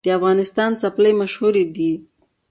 د افغانستان څپلۍ مشهورې دي